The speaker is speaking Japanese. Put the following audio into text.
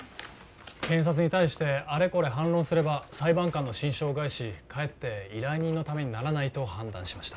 検察に対してあれこれ反論すれば裁判官の心証を害しかえって依頼人のためにならないと判断しました